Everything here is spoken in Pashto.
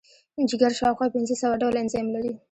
جگر شاوخوا پنځه سوه ډوله انزایم لري.